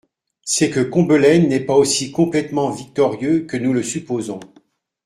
C'est que Combelaine n'est pas aussi complètement victorieux que nous le supposons.